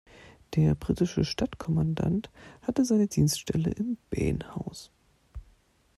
Der britische Stadtkommandant hatte seine Dienststelle im Behnhaus.